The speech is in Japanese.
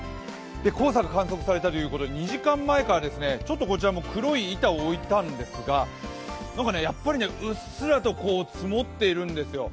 黄砂が観測されたということで２時間前からちょっとこちら黒い板を置いたんですがなんか、やっぱりうっすらと積もっているんですよ。